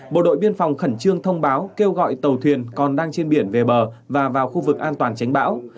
bộ đội biên phòng khẩn trương thông báo kêu gọi tàu thuyền còn đang trên biển về bờ và vào khu vực an toàn tránh bão